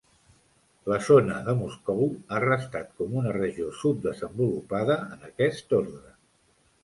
La zona de Moscou ha restat com una regió subdesenvolupada en aquest ordre.